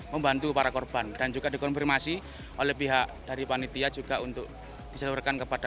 membantu para korban dan juga dikonfirmasi oleh pihak dari panitia juga untuk diseluruhkan kepada